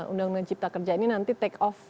undang undang cipta kerja ini nanti take off